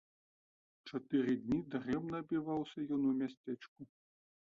Чатыры дні дарэмна абіваўся ён у мястэчку.